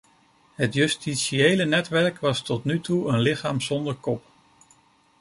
Het justitiële netwerk was tot nu toe een lichaam zonder kop.